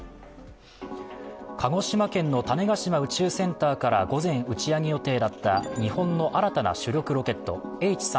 鹿児島県の種子島宇宙センターから午前、打ち上げ予定だった日本の新たな主力ロケットＨ３